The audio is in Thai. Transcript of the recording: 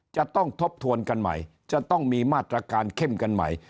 ทบทวนกันใหม่จะต้องมีมาตรการเข้มกันใหม่